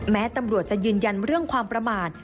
แม้ตำรวจจะยืนยันเรื่องความประมาท